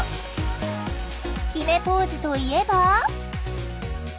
きめポーズといえば。